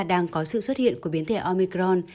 đang có sự xuất hiện của biến thể omicron